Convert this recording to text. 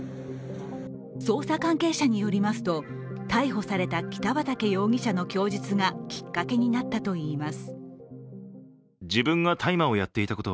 捜査関係者によりますと逮捕された北畠容疑者の供述がきっかけになったといいます。